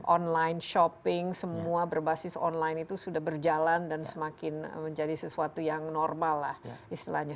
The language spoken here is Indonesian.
online shopping semua berbasis online itu sudah berjalan dan semakin menjadi sesuatu yang normal lah istilahnya